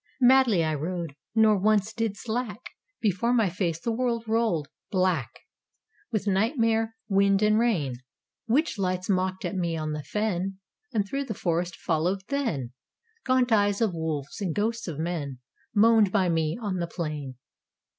Madly I rode; nor once did slack. Before my face the world rolled, black With nightmare wind and rain. Witch lights mocked at me on the fen; And through the forest followed then Gaunt eyes of wolves; and ghosts of men Moaned by me on the plain.